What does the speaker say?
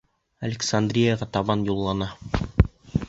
Александрияға табан юллана.